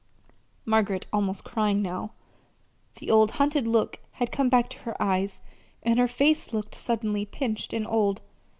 Margaret was almost crying now. The old hunted look had come back to her eyes, and her face looked suddenly pinched and old.